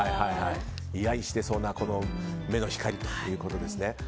居合してそうな目の光ということですね。